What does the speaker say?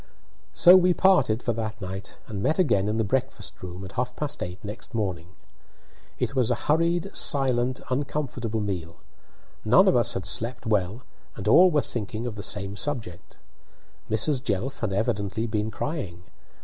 So we parted for that night, and met again in the breakfast room at half past eight next morning. It was a hurried, silent, uncomfortable meal; none of us had slept well, and all were thinking of the same subject. Mrs. Jelf had evidently been crying.